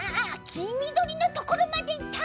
きみどりのところまでいった！